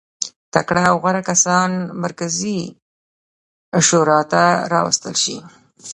تکړه او غوره کسان مرکزي شورا ته راوستل شي.